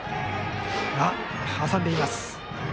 挟んでいました。